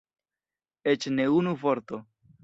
Eĉ ne unu vorto.